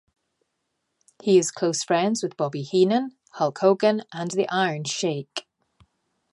He is close friends with Bobby Heenan, Hulk Hogan and The Iron Sheik.